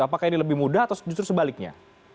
apakah ini lebih mudah atau justru sebaliknya